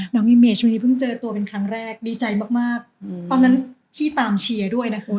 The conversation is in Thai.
อีเมย์ช่วงนี้เพิ่งเจอตัวเป็นครั้งแรกดีใจมากตอนนั้นพี่ตามเชียร์ด้วยนะคะ